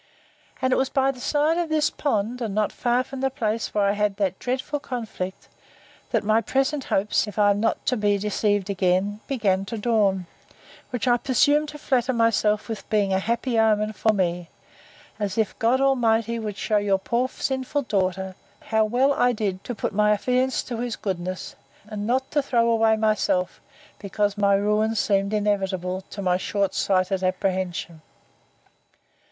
And it was by the side of this pond, and not far from the place where I had that dreaded conflict, that my present hopes, if I am not to be deceived again, began to dawn: which I presume to flatter myself with being a happy omen for me, as if God Almighty would shew your poor sinful daughter, how well I did to put my affiance in his goodness, and not to throw away myself, because my ruin seemed inevitable, to my short sighted apprehension.